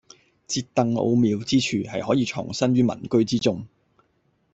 折凳奧妙之處，係可以藏於民居之中